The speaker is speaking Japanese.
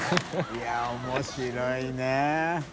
い面白いね。